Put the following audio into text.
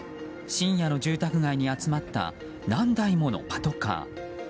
深夜の住宅街に集まった何台ものパトカー。